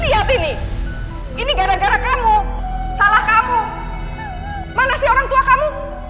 lihat ini ini gara gara kamu salah kamu mana sih orang tua kamu